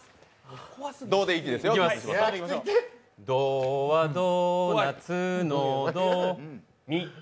ドはドーナツのド、ミ。